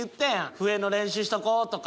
「笛の練習しとこう」とか。